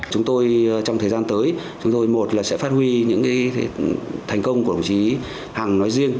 chúng tôi trong thời gian tới chúng tôi một là sẽ phát huy những thành công của đồng chí hằng nói riêng